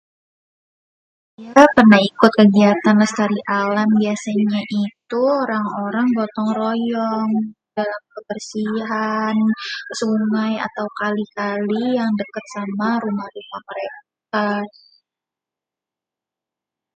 Ya pernah ikut kegiatan lestari alam, biasanya itu orang-orang gotong royong buat kebersihan sungai atau kali-kali yang deket sama rumah mereka.